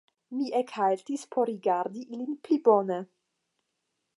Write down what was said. Mi ekhaltis por rigardi ilin pli bone.